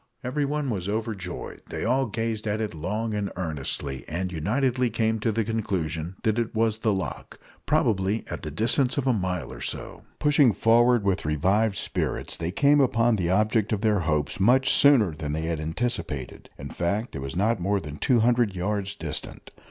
Everyone was overjoyed. They all gazed at it long and earnestly, and unitedly came to the conclusion that it was the loch probably at the distance of a mile or so. Pushing forward with revived spirits, they came upon the object of their hopes much sooner than had been anticipated. In fact, it was not more than two hundred yards distant.